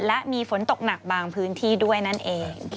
และมีฝนตกหนักบางพื้นที่ด้วยนั่นเอง